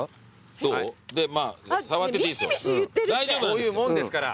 そういうもんですから。